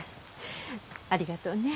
ありがとうね。